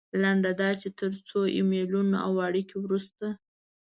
لنډه دا چې تر څو ایمیلونو او اړیکو وروسته.